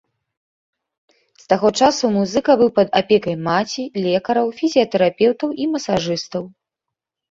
З таго часу музыка быў пад апекай маці, лекараў, фізіятэрапеўтаў і масажыстаў.